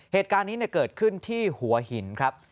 เหตุการณ์นี้เกิดขึ้นที่หัวหินครับ